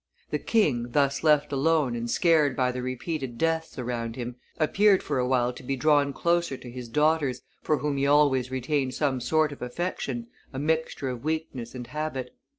The king, thus left alone and scared by the repeated deaths around him, appeared for a while to be drawn closer to his daughters, for whom he always retained some sort of affection, a mixture of weakness and habit.